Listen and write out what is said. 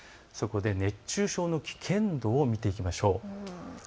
熱中症の危険度を見ていきましょう。